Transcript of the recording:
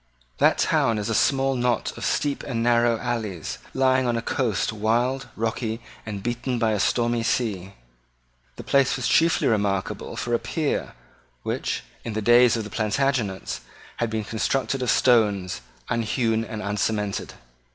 That town is a small knot of steep and narrow alleys, lying on a coast wild, rocky, and beaten by a stormy sea. The place was then chiefly remarkable for a pier which, in the days of the Plantagenets, had been constructed of stones, unhewn and uncemented.